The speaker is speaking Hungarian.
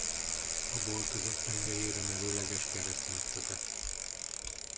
A boltozat tengelyére merőleges keresztmetszete.